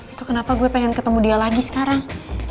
itu kenapa gue pengen ketemu dia lagi sekarang